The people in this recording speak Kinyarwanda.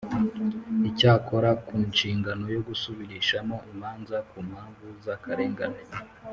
icyakora, ku nshingano yo gusubirishamo imanza ku mpamvu z’akarengane,